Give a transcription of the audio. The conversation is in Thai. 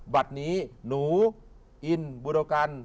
บัดนี้หนูอินบุรกัล